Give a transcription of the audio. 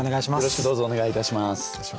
よろしくどうぞお願いいたします。